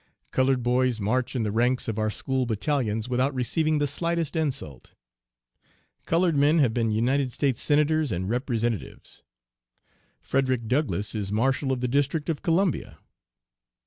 Colored boys march in the ranks of our school battalions without receiving the slightest insult. Colored men have been United States senators and representatives. Frederick Douglass is Marshal of the District of Columbia.